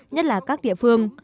nhất là các địa phương